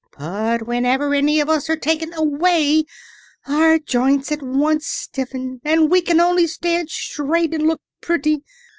But whenever any of us are taken away our joints at once stiffen, and we can only stand straight and look pretty.